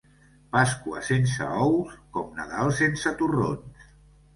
Pasqua sense ous, com Nadal sense torrons.